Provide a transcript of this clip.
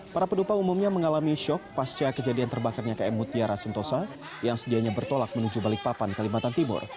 para penumpang umumnya mengalami shock pasca kejadian terbakarnya km mutiara sentosa yang sedianya bertolak menuju balikpapan kalimantan timur